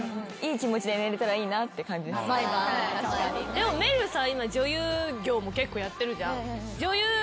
でもめるるさ今女優業も結構やってるじゃん？